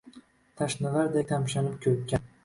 tashnalarday tamshanib koʼkka.